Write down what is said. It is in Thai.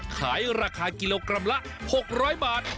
ขายราคากิโลกรัมละ๖๐๐บาท